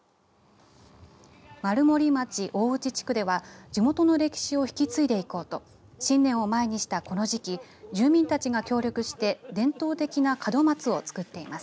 丸森町大内地区では地元の歴史を引き継いでいこうと新年を前にしたこの時期住民たちが協力して伝統的な門松を作っています。